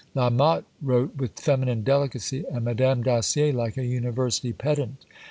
La Motte wrote with feminine delicacy, and Madame Dacier like a University pedant.